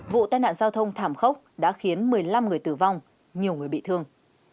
vụ tai nạn giao thông thảm khốc đã khiến một mươi năm người tử vong nhiều người bị thương